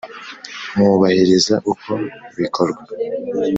mwubahiriza uko bikorwa